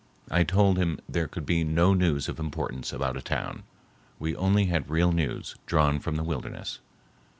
I told him there could be no news of importance about a town. We only had real news, drawn from the wilderness.